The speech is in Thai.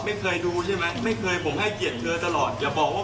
ทำไมต้องโกหกพี่รับมาครับ